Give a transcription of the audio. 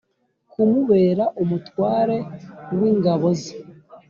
kumubera umutware w’ingabo ze